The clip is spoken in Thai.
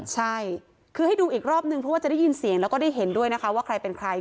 ใช่คือให้ดูอีกรอบนึงเพราะว่าจะได้ยินเสียงแล้วก็ได้เห็นด้วยนะคะว่าใครเป็นใคร